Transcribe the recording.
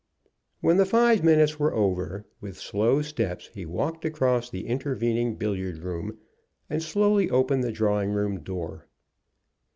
When the five minutes were over, with slow steps he walked across the intervening billiard room, and slowly opened the drawing room door.